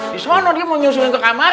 di sana dia mau nyusun ke kamar